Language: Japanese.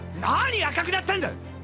何赤くなってんだ